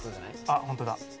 あっホントだ